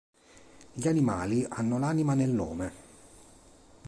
Gli animali hanno l’anima nel nome.